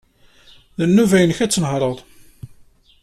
D nnuba-nnek ad tnehṛeḍ.